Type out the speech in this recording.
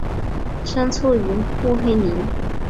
生卒于慕尼黑。